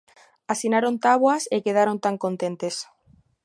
Asinaron táboas e quedaron tan contentes.